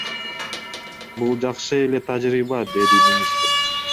Бул жакшы эле тажрыйба, — деди министр.